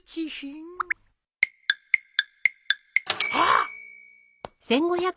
あっ！